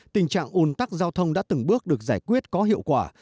tình trạng ồn tắc giao thông đã từng bước được giải quyết có hiệu quả